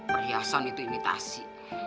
perhiasan itu imitasi